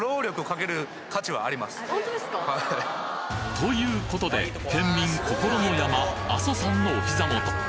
ということで県民心の山阿蘇山のお膝元